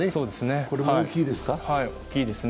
これも大きいですか？